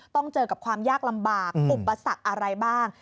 ต้องเจอกับความยากลำบากอุปสรรคอะไรบ้าง